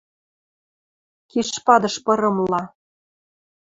Кишпадыш пырымла.